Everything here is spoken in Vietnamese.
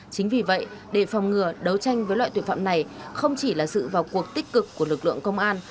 chính vì vậy để phòng ngừa đấu tranh với loại tuyệt phạm này không chỉ là sự vào cuộc tích cực của lực lượng công an